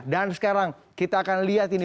dan sekarang kita akan lihat ini